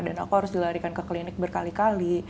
dan aku harus dilarikan ke klinik berkali kali